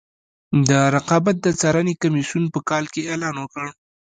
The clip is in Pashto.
د رقابت د څارنې کمیسیون په کال کې اعلان وکړ.